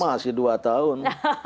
masih dua tahun